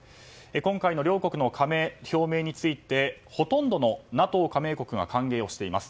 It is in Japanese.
今回の両国の加盟表明についてほとんどのＮＡＴＯ加盟国が歓迎をしています。